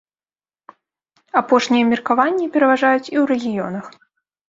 Апошнія меркаванні пераважаюць і ў рэгіёнах.